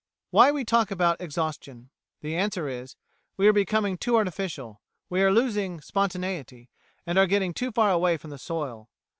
Why we talk about Exhaustion The answer is: We are becoming too artificial; we are losing spontaneity, and are getting too far away from the soil.